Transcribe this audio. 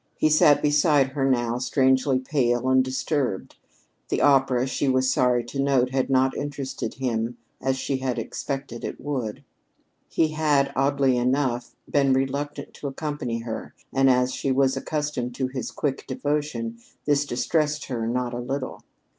He sat beside her now, strangely pale and disturbed. The opera, she was sorry to note, had not interested him as she had expected it would. He had, oddly enough, been reluctant to accompany her, and, as she was accustomed to his quick devotion, this distressed her not a little.